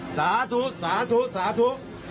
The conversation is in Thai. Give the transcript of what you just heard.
สาธุสาธุสาธุ